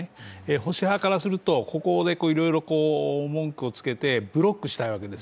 保守派からすると、ここでいろいろ文句をつけてブロックしたいわけです。